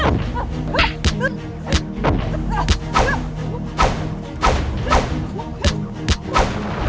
aku akan menghina kau